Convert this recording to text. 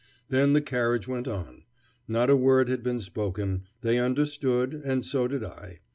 Then the carriage went on. Not a word had been spoken. They understood and so did I.